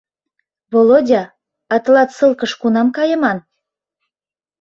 — Володя, а тылат ссылкыш кунам кайыман?